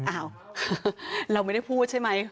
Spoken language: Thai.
อ้าวเราไม่ได้พูดใช่ไหม